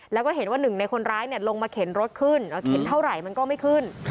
แล้วก็เห็นว่าหนึ่งในคนร้ายลงมาเข็นรถขึ้นเข็นเท่าไหร่มันก็ไม่ขึ้น